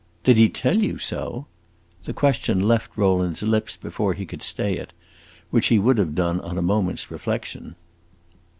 "Did he tell you so?" The question left Rowland's lips before he could stay it, which he would have done on a moment's reflection.